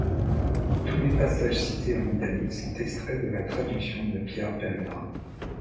Tous les passages cités en italique sont extraits de la traduction de Pierre Pellegrin.